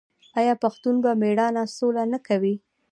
آیا پښتون په میړانه سوله نه کوي؟